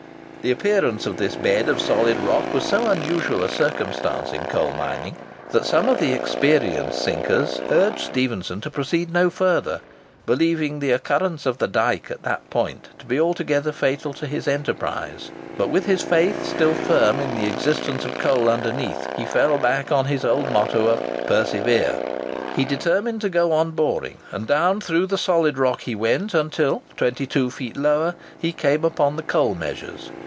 The appearance of this bed of solid rock was so unusual a circumstance in coal mining, that some experienced sinkers urged Stephenson to proceed no further, believing the occurrence of the dyke at that point to be altogether fatal to his enterprise. But, with his faith still firm in the existence of coal underneath, he fell back on his old motto of "Persevere." He determined to go on boring; and down through the solid rock he went until, twenty two feet lower, he came upon the coal measures.